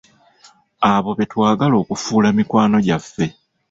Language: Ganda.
Abo betwagala okufuula mikwano gyaffe.